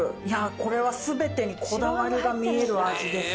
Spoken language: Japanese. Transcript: これは全てにこだわりが見える味です。